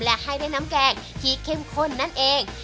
และให้ได้น้ำแกงที่เข้มข้นนั่นเอง